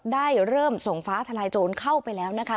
ได้เริ่มส่งฟ้าทลายโจรเข้าไปแล้วนะคะ